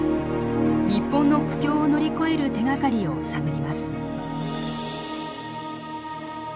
日本の苦境を乗り越える手がかりを探ります。